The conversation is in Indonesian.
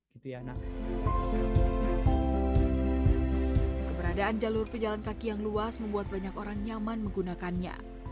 keberadaan jalur pejalan kaki yang luas membuat banyak orang nyaman menggunakannya